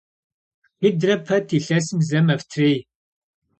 Шыдрэ пэт илъэсым зэ мэфтрей.